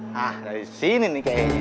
nah dari sini nih kayaknya